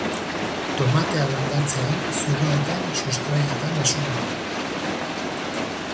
Tomatea landatzean, zuloean, sustraietan asuna bota.